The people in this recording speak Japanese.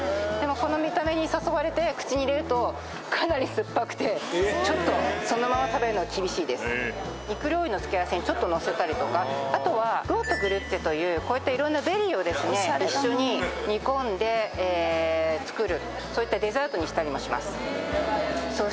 でもこの見た目に誘われてちょっとそのまま食べるのは厳しいです肉料理の付け合わせにちょっとのせたりとかあとはローテグリュッツェというこういったいろんなベリーを一緒に煮込んで作るそういったデザートにしたりもします